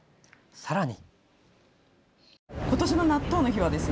さらに。